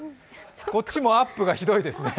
こっちもアップがひどいですね。